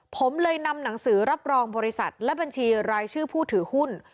ผมเลยนำหนังสือรับรองบริษัทและบัญชีรายชื่อผู้ถือหุ้น